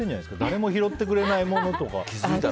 誰も拾ってくれないものとか。